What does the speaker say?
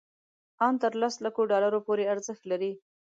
ان تر لس لکو ډالرو پورې ارزښت لري.